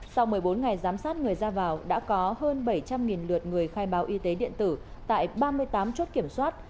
sau một mươi bốn ngày giám sát người ra vào đã có hơn bảy trăm linh lượt người khai báo y tế điện tử tại ba mươi tám chốt kiểm soát